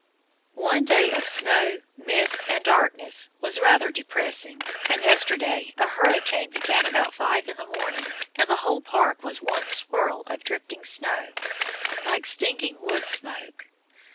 One day of snow, mist, and darkness was rather depressing, and yesterday a hurricane began about five in the morning, and the whole park was one swirl of drifting snow, like stinging wood smoke.